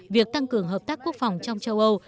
việc tăng cường hợp tác quốc phòng trong châu âu